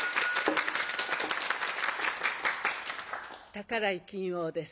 宝井琴桜です。